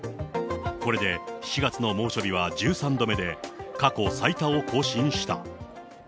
これで７月の猛暑日は１３度目で、過去最多を更新した。